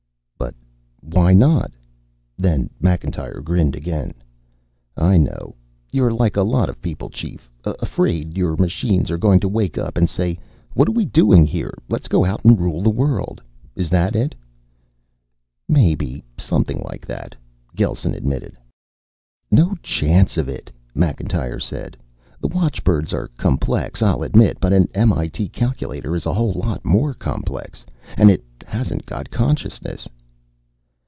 "But why not?" Then Macintyre grinned again. "I know. You're like a lot of people, Chief afraid your machines are going to wake up and say, 'What are we doing here? Let's go out and rule the world.' Is that it?" "Maybe something like that," Gelsen admitted. "No chance of it," Macintyre said. "The watchbirds are complex, I'll admit, but an M.I.T. calculator is a whole lot more complex. And it hasn't got consciousness."